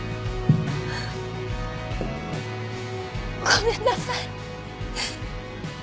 ごめんなさい。